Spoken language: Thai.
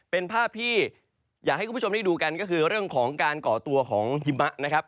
เป็นภาพที่อยากให้คุณผู้ชมได้ดูกันก็คือเรื่องของการก่อตัวของหิมะนะครับ